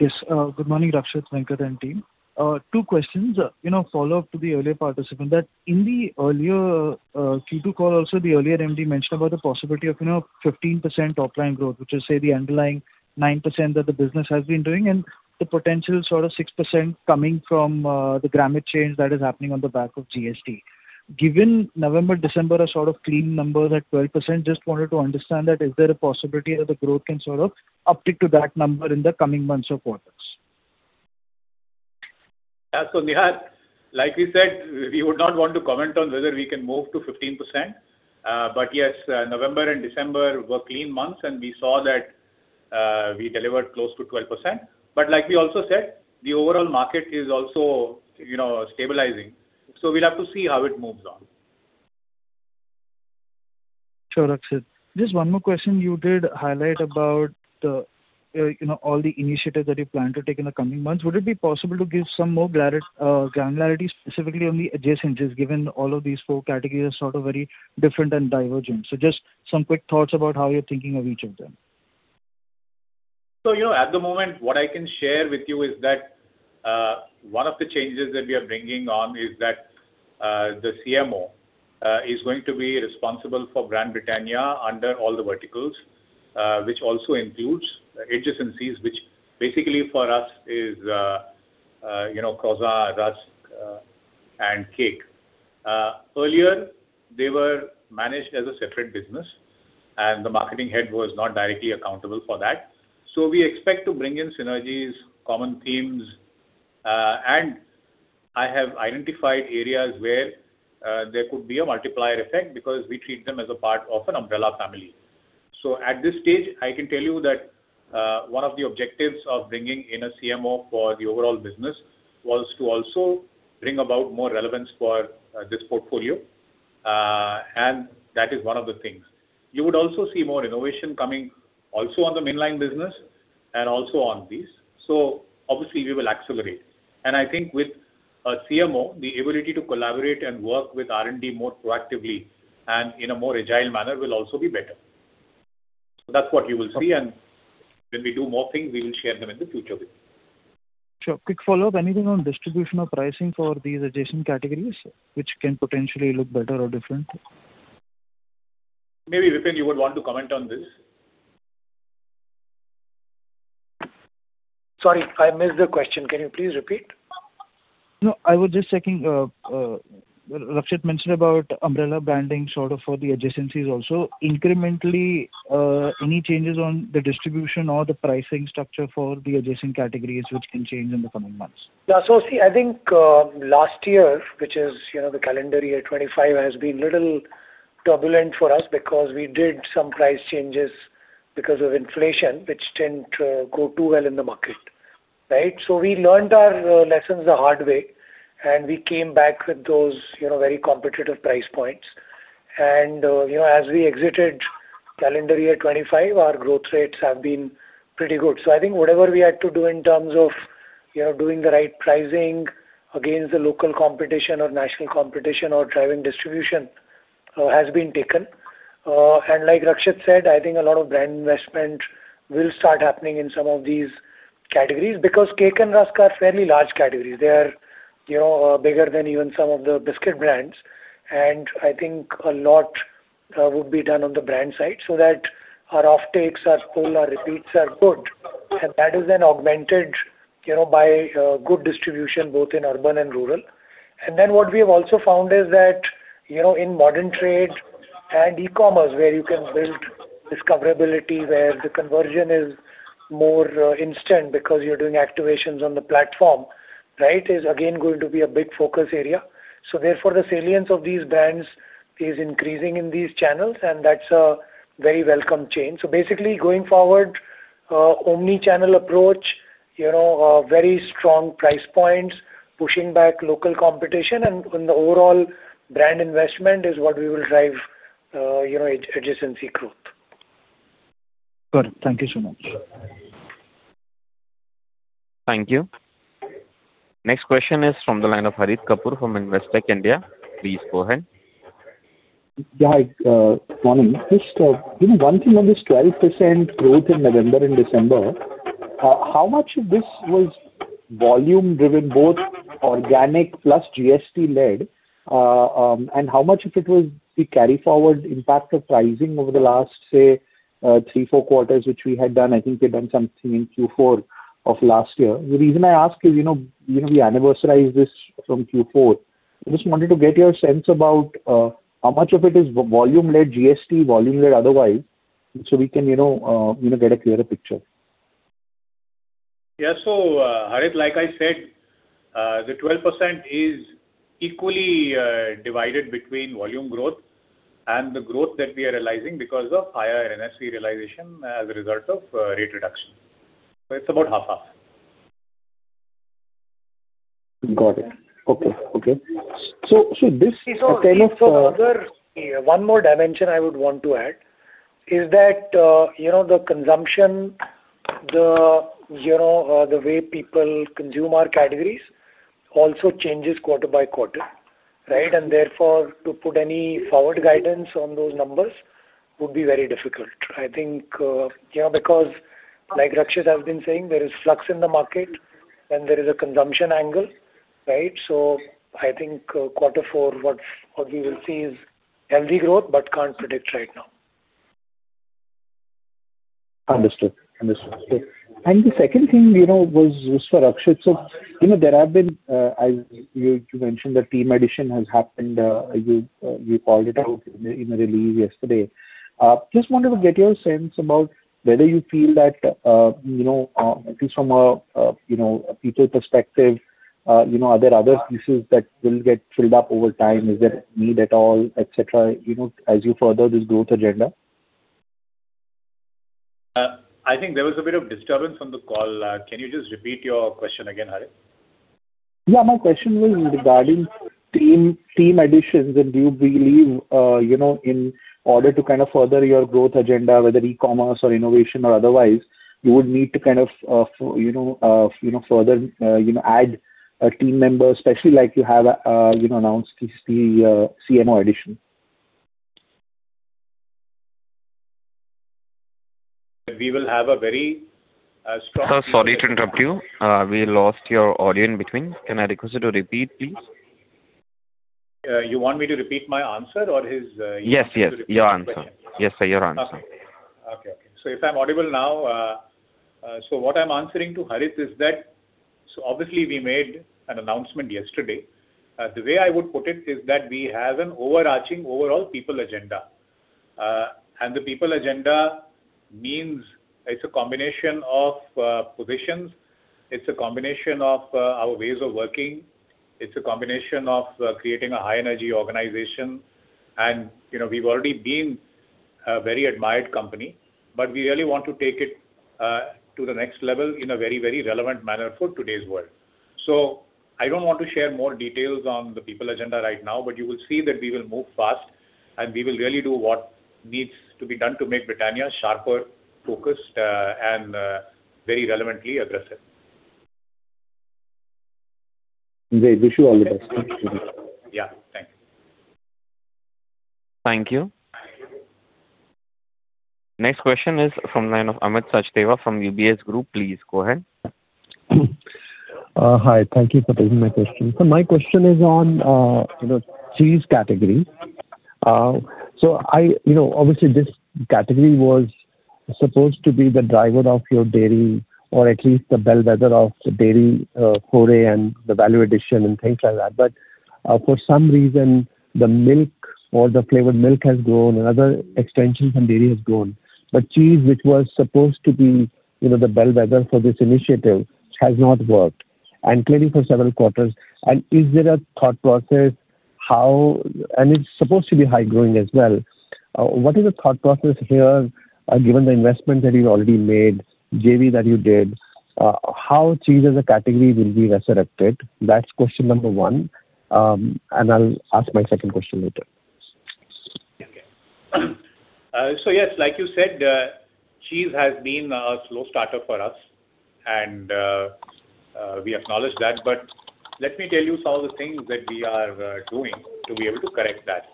Yes. Good morning, Rakshit, Venkat, and team. Two questions, follow-up to the earlier participant, that in the earlier Q2 call, also, the earlier MD mentioned about the possibility of 15% top line growth, which is, say, the underlying 9% that the business has been doing and the potential sort of 6% coming from the gramage change that is happening on the back of GST. Given November, December are sort of clean numbers at 12%, just wanted to understand that is there a possibility that the growth can sort of uptick to that number in the coming months or quarters? Yeah. So Nihal, like we said, we would not want to comment on whether we can move to 15%. But yes, November and December were clean months. And we saw that we delivered close to 12%. But like we also said, the overall market is also stabilizing. So we'll have to see how it moves on. Sure, Rakshit. Just one more question. You did highlight about all the initiatives that you plan to take in the coming months. Would it be possible to give some more granularity specifically on the adjacencies, just given all of these four categories are sort of very different and divergent? So just some quick thoughts about how you're thinking of each of them. So at the moment, what I can share with you is that one of the changes that we are bringing on is that the CMO is going to be responsible for Brand Britannia under all the verticals, which also includes adjacencies, which basically for us is Croissants, Rusk, and Cake. Earlier, they were managed as a separate business. The marketing head was not directly accountable for that. So we expect to bring in synergies, common themes. I have identified areas where there could be a multiplier effect because we treat them as a part of an umbrella family. At this stage, I can tell you that one of the objectives of bringing in a CMO for the overall business was to also bring about more relevance for this portfolio. That is one of the things. You would also see more innovation coming also on the mainline business and also on these. Obviously, we will accelerate. I think with a CMO, the ability to collaborate and work with R&D more proactively and in a more agile manner will also be better. That's what you will see. When we do more things, we will share them in the future with you. Sure. Quick follow-up. Anything on distribution or pricing for these adjacent categories, which can potentially look better or different? Maybe, Vipin, you would want to comment on this. Sorry. I missed the question. Can you please repeat? No. I was just checking. Rakshit mentioned about umbrella branding sort of for the adjacencies also. Incrementally, any changes on the distribution or the pricing structure for the adjacent categories, which can change in the coming months? Yeah. So see, I think last year, which is the calendar year 2025, has been a little turbulent for us because we did some price changes because of inflation, which didn't go too well in the market, right? So we learned our lessons the hard way. And we came back with those very competitive price points. And as we exited calendar year 2025, our growth rates have been pretty good. So I think whatever we had to do in terms of doing the right pricing against the local competition or national competition or driving distribution has been taken. And like Rakshit said, I think a lot of brand investment will start happening in some of these categories because Cake and Rusk are fairly large categories. They are bigger than even some of the biscuit brands. And I think a lot would be done on the brand side so that our offtakes, our pull, our repeats are good. And that is then augmented by good distribution both in urban and rural. And then what we have also found is that in modern trade and e-commerce, where you can build discoverability, where the conversion is more instant because you're doing activations on the platform, right, is again going to be a big focus area. So therefore, the salience of these brands is increasing in these channels. And that's a very welcome change. So basically, going forward, omnichannel approach, very strong price points, pushing back local competition. And on the overall brand investment is what we will drive adjacency growth. Good. Thank you so much. Thank you. Next question is from the line of Harit Kapoor from Investec India. Please go ahead. Yeah. Good morning. Just one thing on this 12% growth in November and December. How much of this was volume-driven, both organic plus GST-led? And how much of it was the carry-forward impact of pricing over the last, say, three, four quarters, which we had done? I think we had done something in Q4 of last year. The reason I ask is we anniversaried this from Q4. I just wanted to get your sense about how much of it is volume-led, GST-volume-led otherwise so we can get a clearer picture. Yeah. So Harit, like I said, the 12% is equally divided between volume growth and the growth that we are realizing because of higher NSV realization as a result of rate reduction. So it's about 50/50. Got it. Okay. Okay. So this is a kind of so- One more dimension I would want to add is that the consumption, the way people consume our categories, also changes quarter by quarter, right? And therefore, to put any forward guidance on those numbers would be very difficult, I think, because, like Rakshit has been saying, there is flux in the market. And there is a consumption angle, right? So I think quarter four, what we will see is healthy growth but can't predict right now. Understood. Understood. Good. The second thing was for Rakshit. So there have been—you mentioned that team addition has happened. You called it out in a release yesterday. Just wanted to get your sense about whether you feel that, at least from a people perspective, are there other pieces that will get filled up over time? Is there need at all, etc., as you further this growth agenda? I think there was a bit of disturbance on the call. Can you just repeat your question again, Harit? Yeah. My question was regarding team additions. Do you believe, in order to kind of further your growth agenda, whether e-commerce or innovation or otherwise, you would need to kind of further add a team member, especially like you have announced the CMO addition? We will have a very strong— Sorry to interrupt you. We lost your audio in between. Can I request you to repeat, please? You want me to repeat my answer or his question? Yes. Yes. Your answer. Yes, sir. Your answer. Okay. Okay. So if I'm audible now, so what I'm answering to Harit is that so obviously, we made an announcement yesterday. The way I would put it is that we have an overarching overall people agenda. And the people agenda means it's a combination of positions. It's a combination of our ways of working. It's a combination of creating a high-energy organization. And we've already been a very admired company. But we really want to take it to the next level in a very, very relevant manner for today's world. So I don't want to share more details on the people agenda right now. But you will see that we will move fast. We will really do what needs to be done to make Britannia sharper, focused, and very relevantly aggressive. Rakshit, wish you all the best. Yeah. Thank you. Thank you. Next question is from the line of Amit Sachdeva from UBS Group. Please go ahead. Hi. Thank you for taking my question. My question is on cheese categories. Obviously, this category was supposed to be the driver of your dairy or at least the bellwether of dairy foray and the value addition and things like that. But for some reason, the milk or the flavored milk has grown. And other extensions from dairy has grown. But cheese, which was supposed to be the bellwether for this initiative, has not worked and clearly for several quarters. And is there a thought process how and it's supposed to be high-growing as well. What is the thought process here, given the investment that you've already made, JV, that you did? How cheese as a category will be resurrected? That's question number one. And I'll ask my second question later. Okay. So yes, like you said, cheese has been a slow starter for us. And we acknowledge that. But let me tell you some of the things that we are doing to be able to correct that.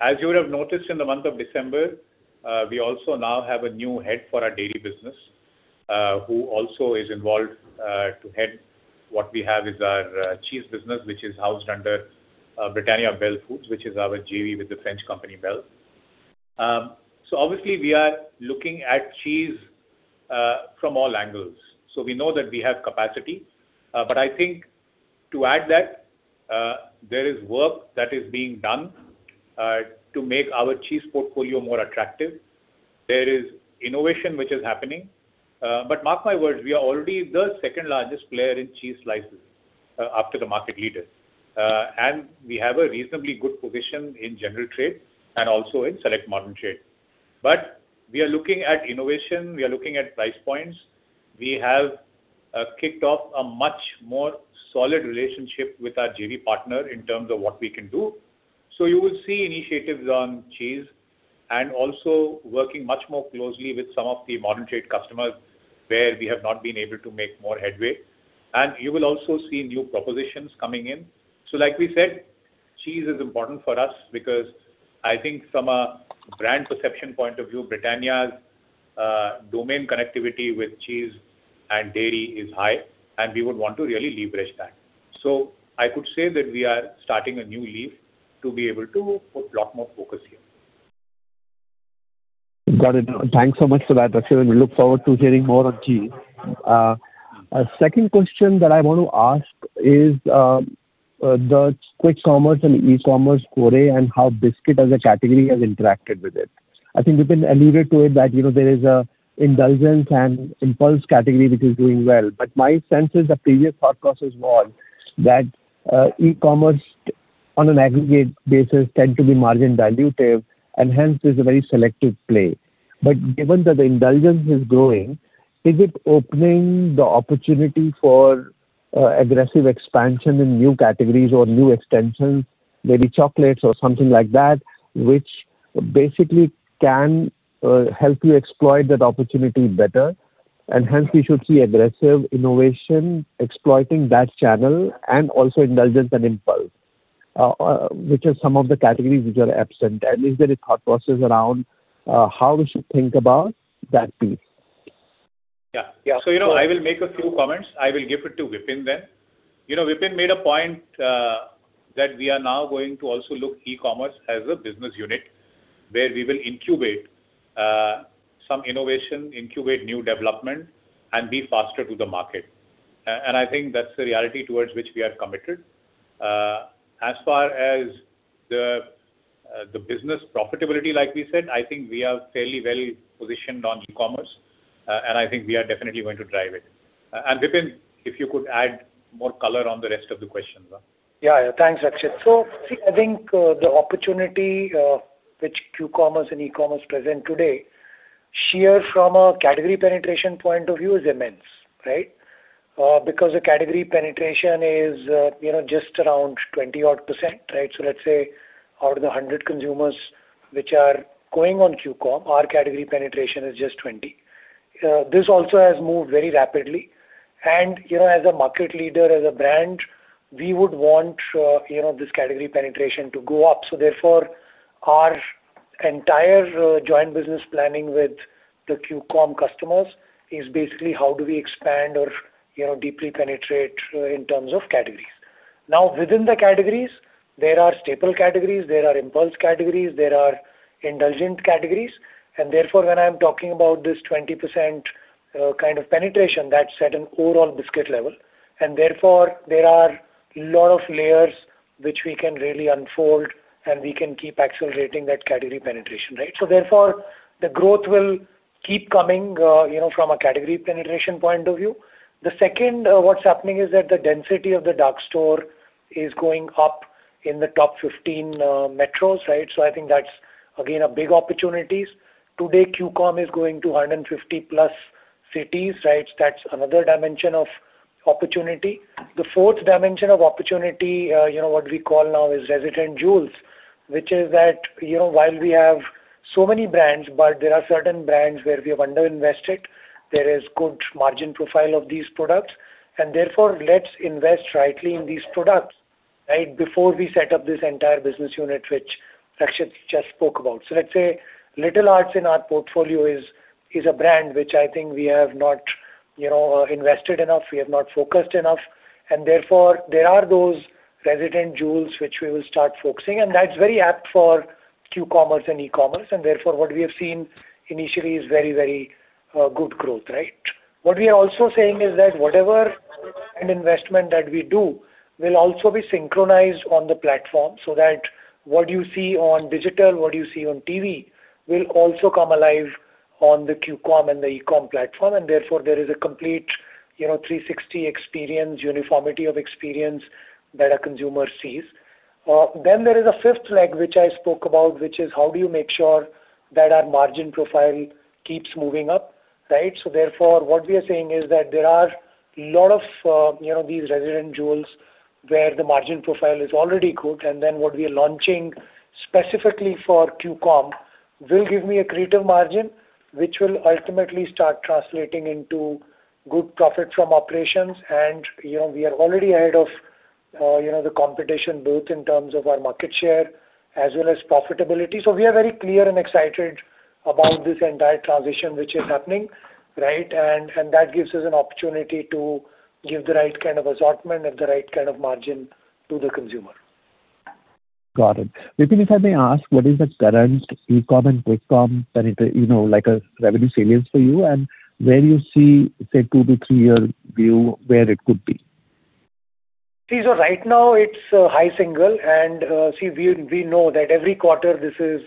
As you would have noticed in the month of December, we also now have a new head for our dairy business who also is involved to head what we have is our cheese business, which is housed under Britannia Bel Foods, which is our JV with the French company Bel. So obviously, we are looking at cheese from all angles. So we know that we have capacity. But I think to add that, there is work that is being done to make our cheese portfolio more attractive. There is innovation, which is happening. But mark my words, we are already the second largest player in cheese slices after the market leader. We have a reasonably good position in general trade and also in select modern trade. But we are looking at innovation. We are looking at price points. We have kicked off a much more solid relationship with our JV partner in terms of what we can do. So you will see initiatives on cheese and also working much more closely with some of the modern trade customers where we have not been able to make more headway. You will also see new propositions coming in. So like we said, cheese is important for us because I think from a brand perception point of view, Britannia's domain connectivity with cheese and dairy is high. And we would want to really leverage that. So I could say that we are starting a new leap to be able to put a lot more focus here. Got it. Thanks so much for that, Rakshit. And we look forward to hearing more on cheese. Second question that I want to ask is the quick commerce and e-commerce foray and how biscuit as a category has interacted with it. I think you can allude to it that there is an indulgence and impulse category, which is doing well. But my sense is the previous thought process was that e-commerce, on an aggregate basis, tend to be margin dilutive. And hence, it's a very selective play. But given that the indulgence is growing, is it opening the opportunity for aggressive expansion in new categories or new extensions, maybe chocolates or something like that, which basically can help you exploit that opportunity better? And hence, we should see aggressive innovation exploiting that channel and also indulgence and impulse, which are some of the categories which are absent. And is there a thought process around how we should think about that piece? Yeah. Yeah. So I will make a few comments. I will give it to Vipin then. Vipin made a point that we are now going to also look at e-commerce as a business unit where we will incubate some innovation, incubate new development, and be faster to the market. And I think that's the reality towards which we are committed. As far as the business profitability, like we said, I think we are fairly well positioned on e-commerce. I think we are definitely going to drive it. Vipin, if you could add more color on the rest of the questions. Yeah. Yeah. Thanks, Rakshit. So see, I think the opportunity which Q-comm and e-commerce present today, here from a category penetration point of view, is immense, right, because the category penetration is just around 20-odd%, right? So let's say out of the 100 consumers which are going on Q-comm, our category penetration is just 20. This also has moved very rapidly. As a market leader, as a brand, we would want this category penetration to go up. So therefore, our entire joint business planning with the Q-comm customers is basically, how do we expand or deeply penetrate in terms of categories? Now, within the categories, there are staple categories. There are impulse categories. There are indulgent categories. And therefore, when I'm talking about this 20% kind of penetration, that's at an overall biscuit level. And therefore, there are a lot of layers which we can really unfold. And we can keep accelerating that category penetration, right? So therefore, the growth will keep coming from a category penetration point of view. The second, what's happening is that the density of the dark store is going up in the top 15 metros, right? So I think that's, again, a big opportunity. Today, Q-comm is going to 150+ cities, right? That's another dimension of opportunity. The fourth dimension of opportunity, what we call now is resident jewels, which is that while we have so many brands, but there are certain brands where we have underinvested. There is good margin profile of these products. Therefore, let's invest rightly in these products, right, before we set up this entire business unit, which Rakshit just spoke about. So let's say Little Hearts in our portfolio is a brand which I think we have not invested enough. We have not focused enough. And therefore, there are those resident jewels which we will start focusing. And that's very apt for Q-comm and e-commerce. And therefore, what we have seen initially is very, very good growth, right? What we are also saying is that whatever investment that we do will also be synchronized on the platform so that what you see on digital, what you see on TV, will also come alive on the Q-comm and the e-comm platform. And therefore, there is a complete 360 experience, uniformity of experience that a consumer sees. Then there is a fifth leg, which I spoke about, which is, how do you make sure that our margin profile keeps moving up, right? So therefore, what we are saying is that there are a lot of these resident jewels where the margin profile is already good. And then what we are launching specifically for Q-comm will give me a creative margin, which will ultimately start translating into good profit from operations. And we are already ahead of the competition, both in terms of our market share as well as profitability. So we are very clear and excited about this entire transition, which is happening, right? And that gives us an opportunity to give the right kind of assortment and the right kind of margin to the consumer. Got it. Vipin, if I may ask, what is the current e-comm and QuickComm like a revenue salience for you? And where do you see, say, a two to three-year view, where it could be? See, so right now, it's high single. And see, we know that every quarter, this is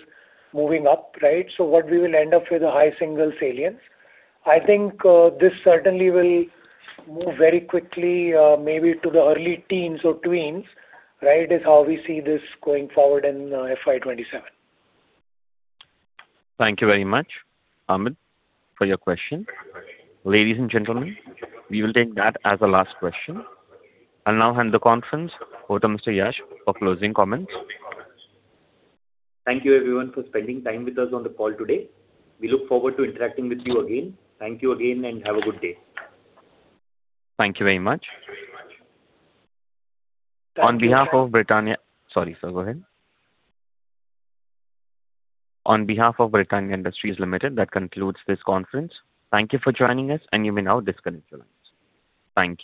moving up, right? So what we will end up with is a high single salience. I think this certainly will move very quickly, maybe to the early teens or twenties, right, is how we see this going forward in FY 2027. Thank you very much, Amit, for your question. Ladies and gentlemen, we will take that as a last question. I'll now hand the conference over to Mr. Yash for closing comments. Thank you, everyone, for spending time with us on the call today. We look forward to interacting with you again. Thank you again. And have a good day. Thank you very much. Thank you very much. On behalf of Britannia sorry, so go ahead. On behalf of Britannia Industries Limited, that concludes this conference. Thank you for joining us. You may now disconnect your lines. Thank you.